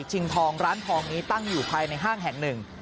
ชิงทองร้านทองนี้ตั้งอยู่ภายในห้างแห่งหนึ่ง